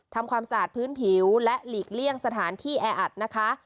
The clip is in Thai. ทำความสะอาดพื้นผิวและหลีกเลี่ยงสถานที่แออัดนะคะ